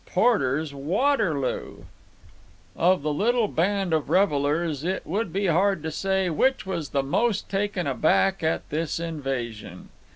Porter's Waterloo Of the little band of revellers it would be hard to say which was the most taken aback at this invasion.